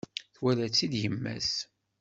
Twala-tt-id yemma-s.